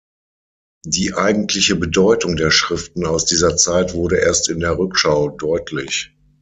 Die eigentliche Bedeutung der Schriften aus dieser Zeit wurde erst in der Rückschau deutlich.